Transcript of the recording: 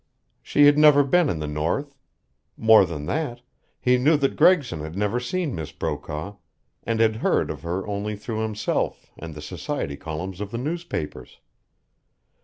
She had never been in the north. More than that, he knew that Gregson had never seen Miss Brokaw, and had heard of her only through himself and the society columns of the newspapers.